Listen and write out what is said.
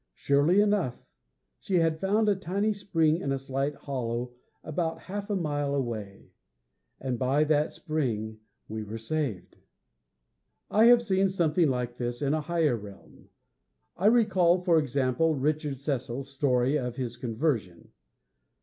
Surely enough, she had found a tiny spring in a slight hollow about half a mile away; and by that spring we were saved.' I have seen something like this in a higher realm. I recall, for example, Richard Cecil's story of his conversion.